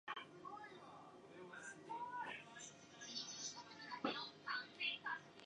The rank was considered to be an equivalent of a general of the army.